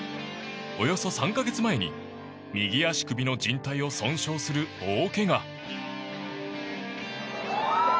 およそ３か月前に、右足首のじん帯を損傷する大けが。